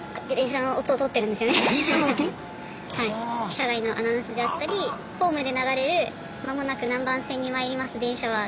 車外のアナウンスだったりホームで流れる「間もなく何番線に参ります電車は」っていう。